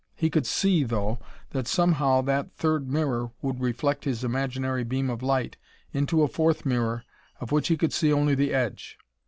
He could see, though, that somehow that third mirror would reflect his imaginary beam of light into a fourth mirror of which he could see only the edge.